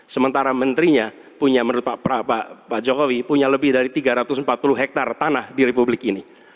sementara menterinya punya menurut pak jokowi punya lebih dari tiga ratus empat puluh hektare tanah di republik ini